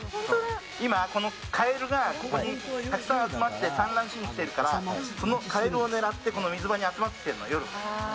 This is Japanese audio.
今、カエルがここにたくさん集まって産卵しに来てるからそのカエルを狙って水場に集まってる。